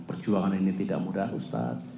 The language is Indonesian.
perjuangan ini tidak mudah ustadz